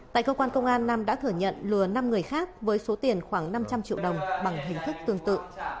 tại cơ quan công an nam đã thừa nhận lừa năm người khác với số tiền khoảng năm trăm linh triệu đồng bằng hình thức tương tự